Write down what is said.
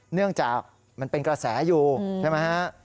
เนื่องจากมันเป็นกระแสอยู่ใช่ไหมฮะ